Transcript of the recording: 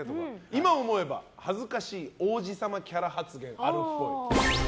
今思えば恥ずかしい王子様キャラ発言あるっぽい。